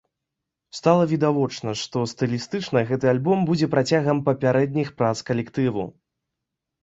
Стала відавочна, што стылістычна гэты альбом будзе працягам папярэдніх прац калектыву.